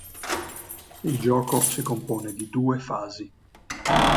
Il gioco si compone di due fasi.